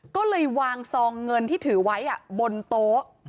ก็เลยวางซองเงินที่ถือไว้บนโต๊ะ